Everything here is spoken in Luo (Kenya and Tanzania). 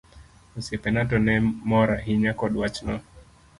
Osiepena to ne mor ahinya kod wachno.